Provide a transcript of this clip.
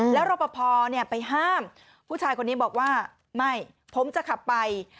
แล้วรอปภไปห้ามผู้ชายคนนี้บอกว่าไม่ผมจะขับไป